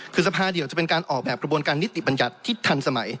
คือสภาเดียวจะเป็นการออกแบบกระบวนการนิติบัญญัติที่ทันสมัย